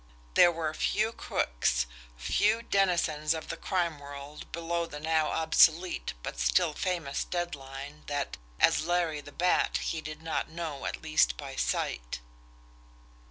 There were few crooks, few denizens of the crime world below the now obsolete but still famous dead line that, as Larry the Bat, he did not know at least by sight.